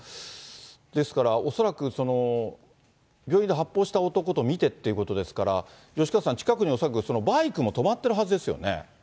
ですから恐らく病院で発砲した男と見てっていうことですから、吉川さん、近くに恐らくバイクも止まっているはずですよね。